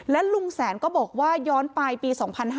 แล้วลุงแสนก็บอกว่าย้อนปลายปี๒๕๖๑